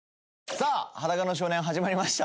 さあ『裸の少年』始まりました。